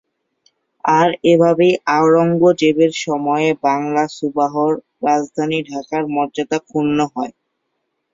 আর এভাবেই আওরঙ্গজেবের সময়ে বাংলা সুবাহর রাজধানী ঢাকার মর্যাদা ক্ষুণ্ণ হয়।